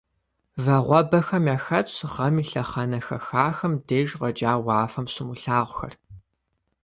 Вагъуэбэхэм яхэтщ гъэм и лъэхъэнэ хэхахэм деж фӀэкӀа уафэм щумылъагъухэр.